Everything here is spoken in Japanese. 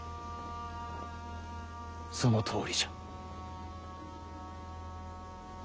そのとおりじゃ。